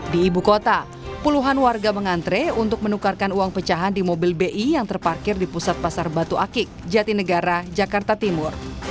di ibu kota puluhan warga mengantre untuk menukarkan uang pecahan di mobil bi yang terparkir di pusat pasar batu akik jatinegara jakarta timur